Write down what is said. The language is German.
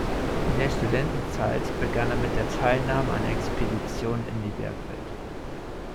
In der Studentenzeit begann er mit der Teilnahme an Expeditionen in die Bergwelt.